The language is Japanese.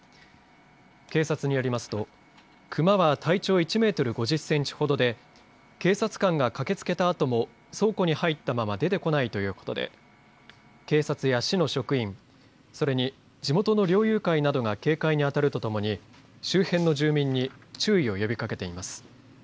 警察によりますとクマは体長１メートル５０センチほどで警察官が駆けつけたあとも倉庫に入ったまま出てこないということで警察や市の職員それに地元の猟友会などが警戒に当たるとともに周辺の住民に注意を呼びかけています。